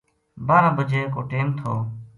بارہ بجے کو ٹیم تھو